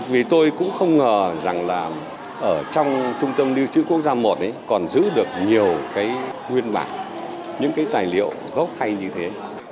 vì tôi cũng không ngờ rằng là ở trong trung tâm liêu chữ quốc gia i còn giữ được nhiều cái nguyên bản những cái tài liệu gốc hay như thế